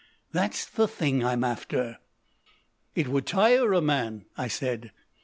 That's the thing I'm after." "It would tire a man," I said.